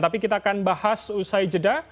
tapi kita akan bahas usai jeda